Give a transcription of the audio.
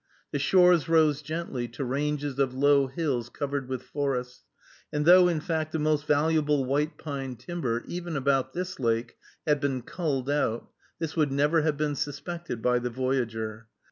The shores rose gently to ranges of low hills covered with forests; and though, in fact, the most valuable white pine timber, even about this lake, had been culled out, this would never have been suspected by the voyager.